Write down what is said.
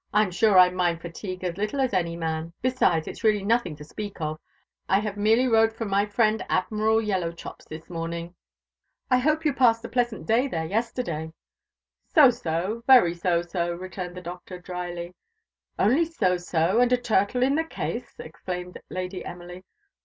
I'm sure I mind fatigue as little as any man; besides it's really nothing to speak of. I have merely rode from my friend Admiral Yellowchops' this morning." "I hope you passed a pleasant day there yesterday?" "So, so very so, so," returned the Doctor drily. "Only so, so, and a turtle in the case!" exclaimed Lady Emily.